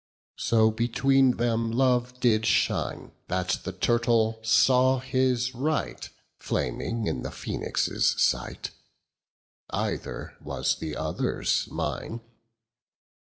So between them love did shine, That the turtle saw his right Flaming in the phoenix' sight; 35 Either was the other's mine.